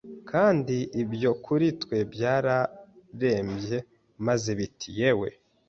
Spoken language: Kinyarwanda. Kandi ibyo kuri twe byararebye maze biti Yewe!